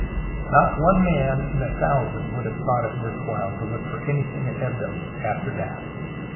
Not one man in a thousand would have thought it worth while to look for anything at Abydos after that.